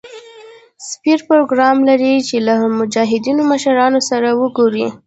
سفیر پروګرام لري چې له مجاهدینو مشرانو سره وګوري.